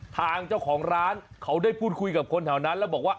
ทางเจ้าของร้านเขาได้พูดคุยกับคนแถวนั้นแล้วบอกว่า